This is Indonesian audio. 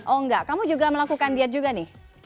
oh enggak kamu juga melakukan diet juga nih